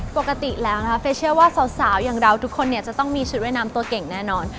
ปกติแล้วนะคะเฟย์เชื่อว่าสาวอย่างเราทุกคนเนี่ยจะต้องมีชุดว่ายน้ำตัวเก่งแน่นอน